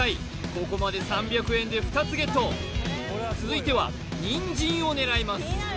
ここまで３００円で２つＧＥＴ続いてはニンジンを狙います